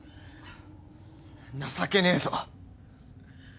情けねえぞ。